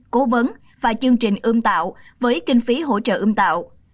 cố vấn và chương trình ưng tạo với kinh phí hỗ trợ ưng tạo